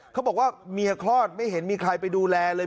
เขาบอกว่าเมียคลอดไม่เห็นมีใครไปดูแลเลย